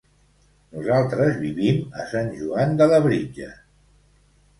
Nosaltres vivim a Sant Joan de Labritja.